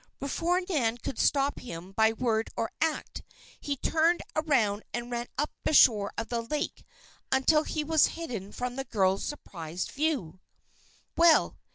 Before Nan could stop him by word or act, he turned around and ran up the shore of the lake until he was hidden from the girl's surprised view. "Well!